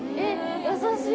優しい！